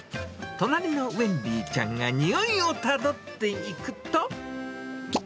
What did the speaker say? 隣のウェンディちゃんが匂いをたどっていくと。